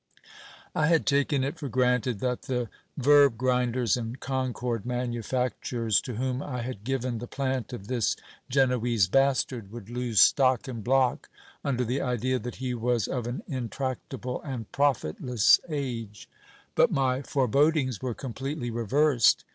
I had taken it for granted that that the verb grinders and concord manufac A PATE N'T OF NOBILITY CONFERRED ON GIL BLAS. 431 tures to whom I had given the plant of this Genoese bastard would lose stock and block, under the idea that he was of an intractable and profitless age ; but my forebodings were completely reversed.